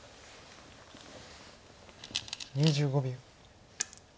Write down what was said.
２５秒。